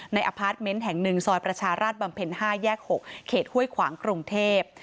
อพาร์ทเมนต์แห่ง๑ซอยประชาราชบำเพ็ญ๕แยก๖เขตห้วยขวางกรุงเทพ